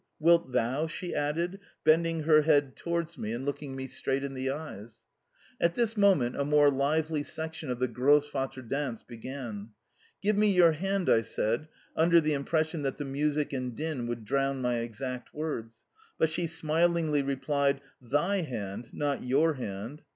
Wilt THOU?" she added, bending her head towards me and looking me straight in the eyes. At this moment a more lively section of the Grosvater dance began. "Give me your hand," I said, under the impression that the music and din would drown my exact words, but she smilingly replied, "THY hand, not YOUR hand."